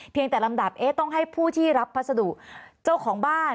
แต่ลำดับเอ๊ะต้องให้ผู้ที่รับพัสดุเจ้าของบ้าน